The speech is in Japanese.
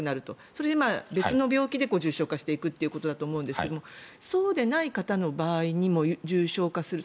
それで別の病気で重症化していくということだと思うんですがそうでない方の場合にも重症化する。